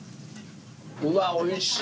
うわおいしい。